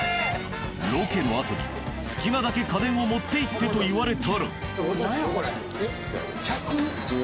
ロケのあとに好きなだけ家電を持って行ってと言われたら。